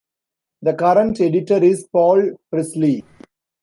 The current editor is Paul Presley.